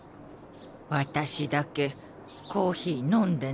私だけコーヒー飲んでないよ。